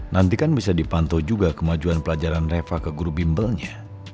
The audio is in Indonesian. nanti kan bisa dipantau juga kemajuan pelajaran reva ke guru bimbelnya